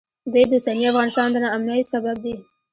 دوی د اوسني افغانستان د ناامنیو سبب دي